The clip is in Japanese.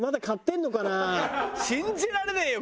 信じられねえよ。